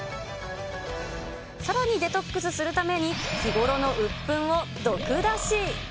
さらにデトックスするために、日頃のうっぷんを毒出し。